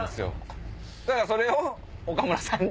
だからそれを岡村さんに。